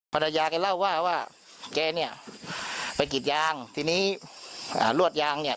ภรรยาแกเล่าว่าว่าแกเนี่ยไปกรีดยางทีนี้อ่ารวดยางเนี่ย